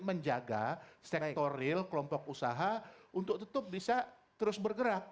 menjaga sektor real kelompok usaha untuk tetap bisa terus bergerak